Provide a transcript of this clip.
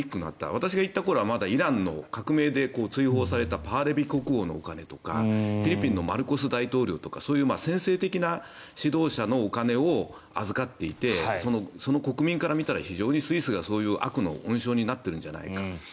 私が行った頃はイランの革命で追放されたパーレビ国王のお金とかフィリピンのマルコス大統領とかそういう専制的な指導者のお金を預かっていてその国民から見たら非常にスイスが悪の温床になっているんじゃないかと。